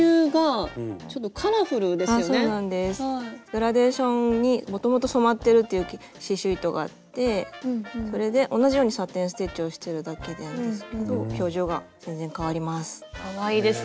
グラデーションにもともと染まってる刺しゅう糸があってそれで同じようにサテン・ステッチをしてるだけなんですけど表情が全然変わります。